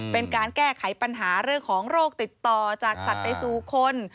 เป็นการแก้ไขปัญหาเรื่องของโรคติดต่อจากสัตว์ไปสู่คน